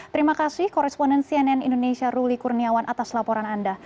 terima kasih koresponden cnn indonesia ruli kurniawan atas laporan anda